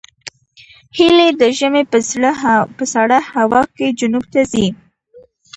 هیلۍ د ژمي په سړه هوا کې جنوب ته ځي